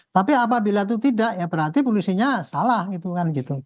tapi apabila itu tidak ya berarti polisinya salah gitu kan gitu